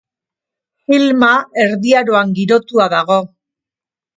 Filma Erdi Aroan girotua dago.